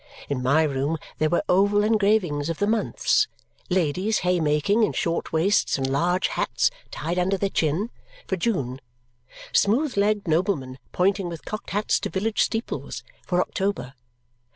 In my room there were oval engravings of the months ladies haymaking in short waists and large hats tied under the chin, for June; smooth legged noblemen pointing with cocked hats to village steeples, for October.